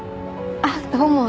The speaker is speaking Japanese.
あっどうも。